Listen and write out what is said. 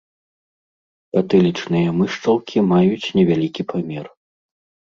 Патылічныя мышчалкі маюць невялікі памер.